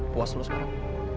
puas lo sekarang